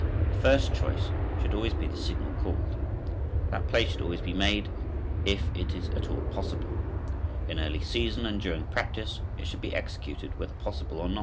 The first choice should always be the signal called. That play should always be made if it is at all possible; in early season and during practice it should be executed whether possible or not.